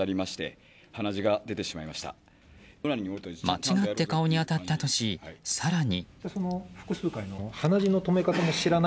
間違って顔に当たったとし更に。